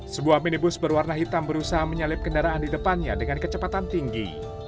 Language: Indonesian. sebuah minibus berwarna hitam berusaha menyalip kendaraan di depannya dengan kecepatan tinggi